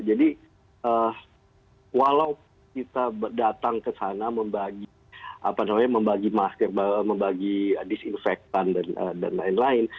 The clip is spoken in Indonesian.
jadi walau kita datang kesana membagi apa namanya membagi masker membagi disinfektan dan lain lain